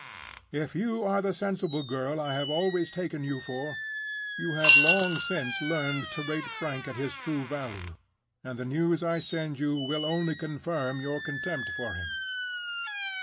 "If you are the sensible girl I have always taken you for, you have long since learned to rate Frank at his true value, and the news I send you will only confirm your contempt for him.